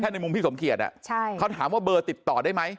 ถ้าในมุมพี่สมเขตอ่ะใช่เขาถามว่าเบอร์ติดต่อได้ไหม